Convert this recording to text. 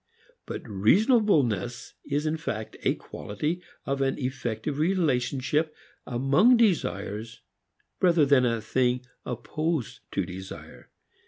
But reasonableness is in fact a quality of an effective relationship among desires rather than a thing opposed to desire.